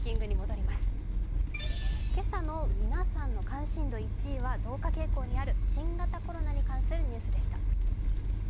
今朝の関心度１位は増加傾向にある新型コロナに関するニュースでした。